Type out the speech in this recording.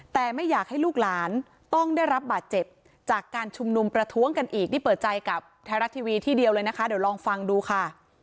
แต่ไม่อยากให้ลูกหลานต้องได้รับบาดเจ็บจากการชุมนุมประท้วงกันอีกนี่เปิดใจกับไทยรัฐทีวีที่เดียวเลยนะคะเดี๋ยวลองฟังดูค่ะ